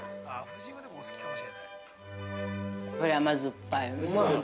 ◆これ、甘酸っぱい。